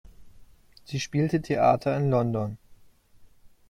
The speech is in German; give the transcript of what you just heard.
Sie spielte Theater in London.